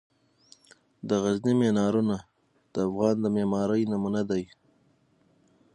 د غزني مینارونه د افغان د معمارۍ نمونه دي.